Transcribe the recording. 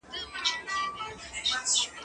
زه اجازه لرم چي بازار ته ولاړ سم،